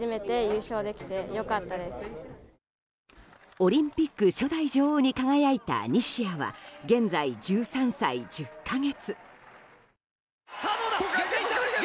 オリンピック初代女王に輝いた西矢は現在１３歳１０か月。